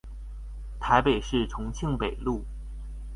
台北市重慶北路